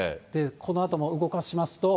このあとも動かしますと。